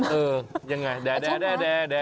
เออไงว่าแด๊อยอาโชคเข้ามา